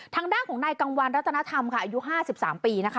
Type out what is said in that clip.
ทางด้านของนายกังวันรัตนธรรมค่ะอายุ๕๓ปีนะคะ